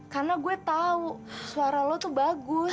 karena gue tau suara lo tuh bagus